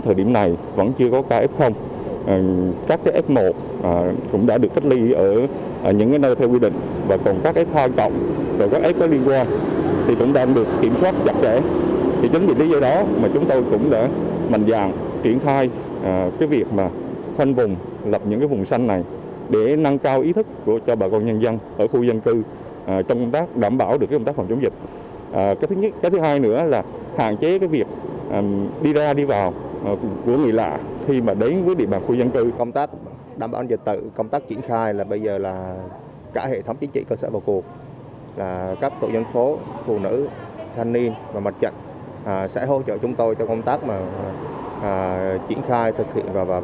hãy hỗ trợ chúng tôi cho công tác triển khai thực hiện và đảm bảo các quy định phòng chống dịch